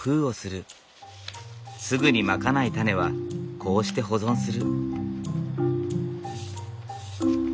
すぐにまかないタネはこうして保存する。